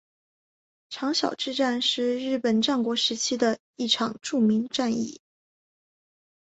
长筱之战是是日本战国时期的一场著名战役。